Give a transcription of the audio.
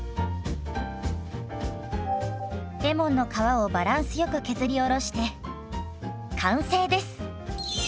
レモンの皮をバランスよく削りおろして完成です。